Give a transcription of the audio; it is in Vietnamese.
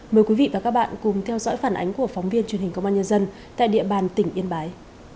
mời quý vị và các bạn cùng theo dõi phản ánh của phóng viên truyền hình công an nhân dân tại địa bàn tỉnh yên bái